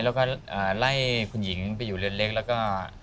แล้วก็ไล่คุณหญิงไปอยู่เรือนเล็กแล้วก็